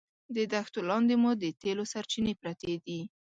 د دښتو لاندې مو د تېلو سرچینې پرتې دي.